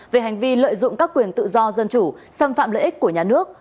về hành vi lợi dụng các quyền tự do dân chủ xâm phạm lợi ích của nhà nước